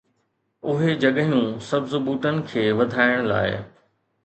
اهي جڳهيون سبز ٻوٽن کي وڌائڻ لاء